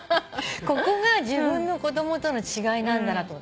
ここが自分の子供との違いなんだなと。